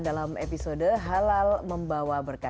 dalam episode halal membawa berkah